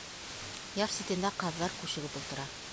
Яр ситендә ҡаҙҙар күшегеп ултыра.